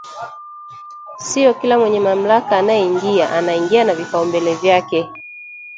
Sio kila mwenye mamlaka anayeingia, anaingia na vipaumbele vyake